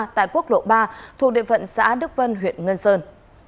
tại quốc lộ ba thuộc địa phận xã đức vân huyện ngân sơn